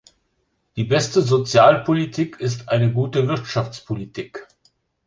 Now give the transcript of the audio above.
Die beste Sozialpolitik ist eine gute Wirtschaftspolitik.